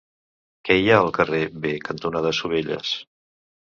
Què hi ha al carrer B cantonada Sovelles?